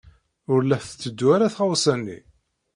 Ur la tetteddu ara tɣawsa-nni.